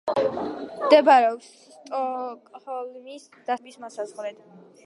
მდებარეობს სტოკჰოლმის დასავლეთით, მელარენის ტბის მოსაზღვრედ.